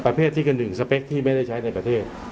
ประเภทที่กระดึงสเปคที่ไม่ได้ใช้ในประเทศ